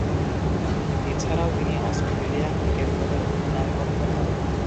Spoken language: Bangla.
এছাড়াও তিনি অস্ট্রেলিয়া ক্রিকেট দলের অধিনায়কত্ব করেন।